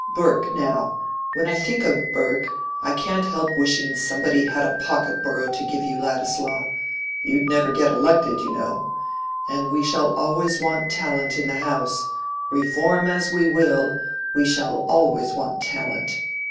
Burke, now:—when I think of Burke, I can't help wishing somebody had a pocket borough to give you, Ladislaw. You'd never get elected, you know. And we shall always want talent in the House: reform as we will, we shall always want talent.